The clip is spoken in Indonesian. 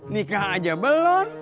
nikah aja belum